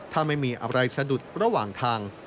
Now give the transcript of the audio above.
ถ้าไม่มีอะไรสะดุดระหว่างทาง